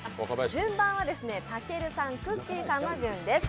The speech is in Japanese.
順番はたけるさん、くっきー！の順です。